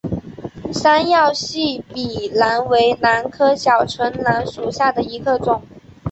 三药细笔兰为兰科小唇兰属下的一个种。